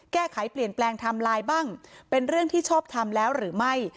แก้ไขเปลี่ยนแปลงไทม์ไลน์บ้างเป็นเรื่องที่ชอบทำแล้วหรือไม่